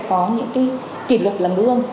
có những kỷ lực lầm đương